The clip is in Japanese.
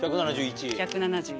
１７１。